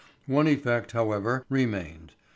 One effect, however, remained.